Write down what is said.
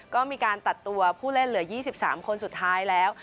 ก็มีการตัดตัวผู้เล่นเหลือ๒๓คนสุดท้ายแล้ว